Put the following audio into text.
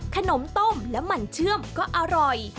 ขนมต้มและมันเชื่อมก็อร่อย